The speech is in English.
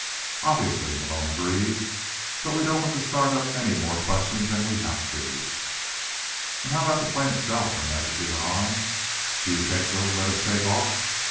"Obviously," Malone agreed. "But we don't want to start up any more questions than we have to." "And how about the plane itself?" Her Majesty went on. "Do you think they'll let us take off?"